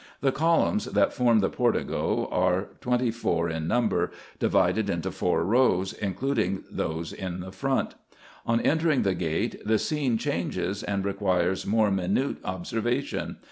The columns that form the portico are twenty four in number, divided into four rows, including those in the front. On entering the gate the scene changes, and requires more minute observation.